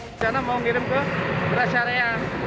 tidak ada yang bisa dikirim ke ras area